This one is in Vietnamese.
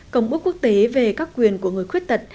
công ước quốc tế về các quyền của người khuyết tật